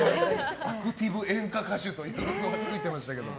アクティブ演歌歌手とついてましたけど。